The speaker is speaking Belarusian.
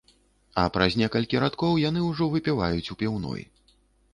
А праз некалькі радкоў яны ўжо выпіваюць у піўной.